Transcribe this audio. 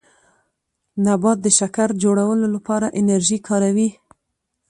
نبات د شکر جوړولو لپاره انرژي کاروي